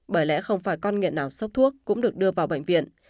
bởi lẽ không phải con nghiện nào sốc thuốc cũng được đưa vào bệnh viện